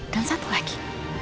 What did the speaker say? dan satu lagi